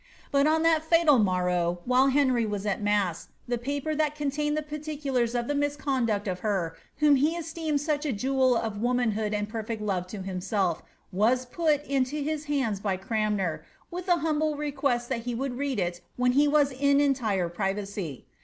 Bat on that fiital morrow, while Henry was at maaa, the paper daMt oootuned the particulara of the miacondnct d her, whom he eateemad aaek a C'd of womanhood and perfect love to himaelC waa pvt into Ui da by Cranmer, with a humble requeat that he would read il when he waa in entire privacy.'